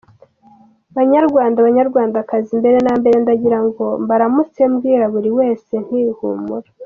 Banyarwanda banyarwandakazi mbere na mbere ndagirango mbaramutse mbwira buri wese nti Humura.